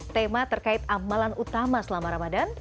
tema terkait amalan utama selama ramadan